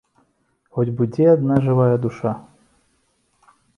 Хоць бы дзе адна жывая душа!